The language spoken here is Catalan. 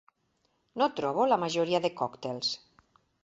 No trobo la majoria de còctels.